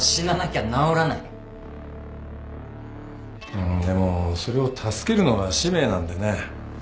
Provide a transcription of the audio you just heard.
うんでもそれを助けるのが使命なんでね。